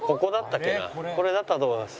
これだったと思います。